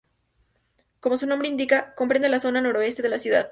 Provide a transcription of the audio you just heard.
Como su nombre indica, comprende la zona noroeste de la ciudad.